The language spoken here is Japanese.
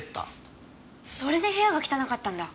それで部屋が汚かったんだ。